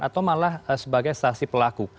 atau malah sebagai saksi pelaku